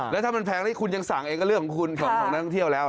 แล้วถ้ามันแพงนี่คุณยังสั่งเองก็เรื่องของคุณของนักท่องเที่ยวแล้ว